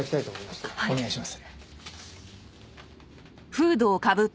お願いします。